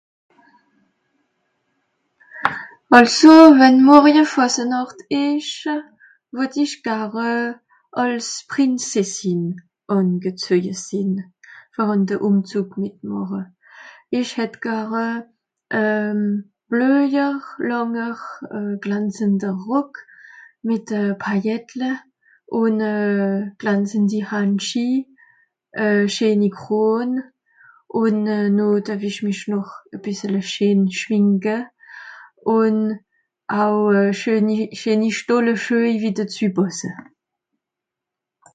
Àlso, wenn Morje Fàsenààcht ìsch, wott ich gare àls Prinzessin àngezöje sìn, fer àn de Ùmzùg mìtmàche. Ìch hätt gare e blöjer, lànger, euh glanzender Rock, mìt euh Pailletle, ùn euh glanzendi Handschieh, e scheeni Kroon un euh no tue ìch mich noch e bìssele scheen schminke, un au schöni scheeni Stolleschüehj, wie dezü pàsse.